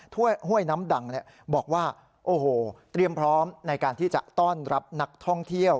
ห้วยน้ำดังบอกว่าโอ้โหเตรียมพร้อมในการที่จะต้อนรับนักท่องเที่ยว